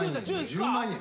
１０万円。